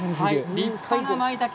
立派なまいたけ